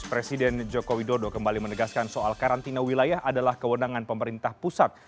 presiden joko widodo kembali menegaskan soal karantina wilayah adalah kewenangan pemerintah pusat